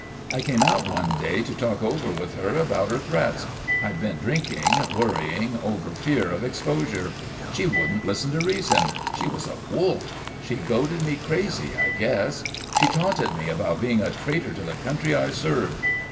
I came out one day to talk over with her about her threats. I'd been drinking, worrying over fear of exposure. She wouldn't listen to reason. She was a wolf. She goaded me crazy, I guess. She taunted me about being a traitor to the country I served.